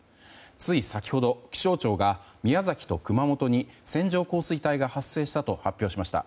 つい先ほど、気象庁が宮崎と熊本に線状降水帯が発生したと発表しました。